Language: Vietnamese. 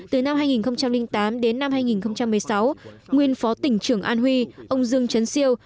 từ năm hai nghìn tám đến năm hai nghìn một mươi sáu nguyên phó tỉnh trưởng an huy ông dương chấn siêu